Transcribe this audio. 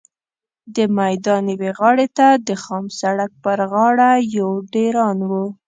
د میدان یوې غاړې ته د خام سړک پر غاړه یو ډېران و.